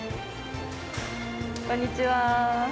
こんにちは。